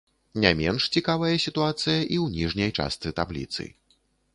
Не менш цікавая сітуацыя і ў ніжняй частцы табліцы.